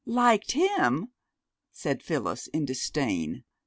"Liked him!" said Phyllis in disdain.